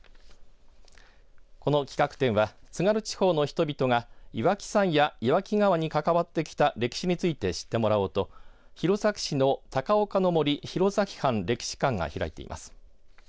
この企画展は津軽地方の人々が岩木山や岩木川に関わってきた歴史について知ってもらおうと弘前市の高岡の森弘前藩歴史館が開いています。